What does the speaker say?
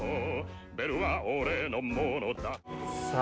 ベルは俺のものださぁ